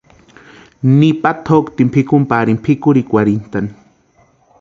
Nipa tʼoktini pʼikuni parini pʼikurhikwarhintʼani.